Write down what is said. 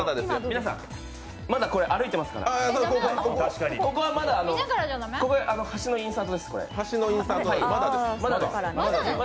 皆さん、まだ歩いてますからここはまだ橋のインサートです、まだです。